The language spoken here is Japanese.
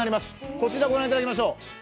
こちら、ご覧いただきましょう。